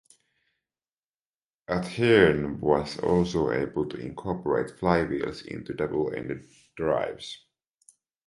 Athearn was also able to incorporate flywheels into double-ended drives.